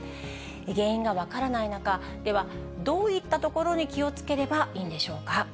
原因が分からない中、では、どういったところに気をつければいいんでしょうか。